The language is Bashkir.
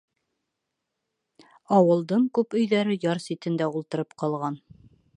Ауылдың күп өйҙәре яр ситендә ултырып ҡалған.